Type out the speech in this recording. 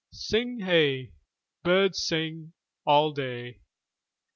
Sing hey! Birds sing All day.